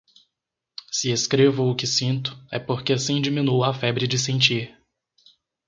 Se escrevo o que sinto é porque assim diminuo a febre de sentir.